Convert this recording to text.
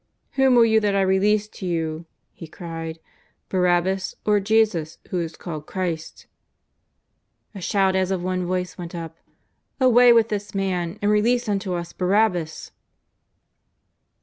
" Whom will you that I release to you," he cried, Bar abbas, or Jesus who is called Christ ?" A shout as of one voice went up : ^^Away with this Man and release unto us Barabbas."